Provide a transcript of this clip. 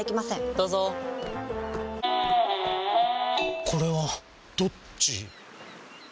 どうぞこれはどっち？